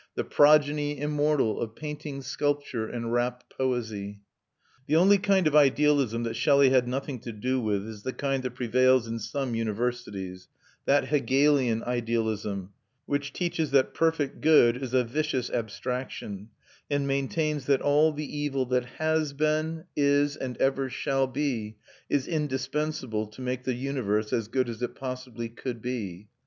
the progeny immortal of painting, sculpture, and rapt poesy." The only kind of idealism that Shelley had nothing to do with is the kind that prevails in some universities, that Hegelian idealism which teaches that perfect good is a vicious abstraction, and maintains that all the evil that has been, is, and ever shall be is indispensable to make the universe as good as it possibly could be.